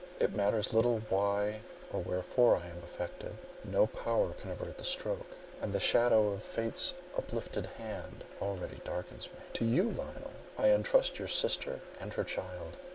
It matters little why or wherefore I am affected, no power can avert the stroke, and the shadow of Fate's uplifted hand already darkens me. "To you, Lionel, I entrust your sister and her child.